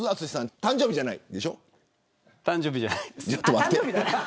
誕生日じゃないです。